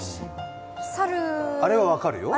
あれは分かるよ。